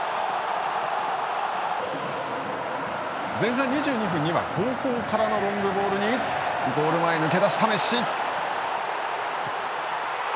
前半２２分には後方からのロングボールにゴール前抜け出したメッシ。